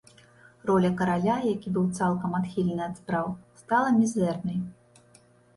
Роля караля, які быў цалкам адхілены ад спраў, стала мізэрнай.